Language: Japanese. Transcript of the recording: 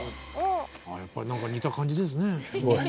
やっぱりなんか似た感じですね。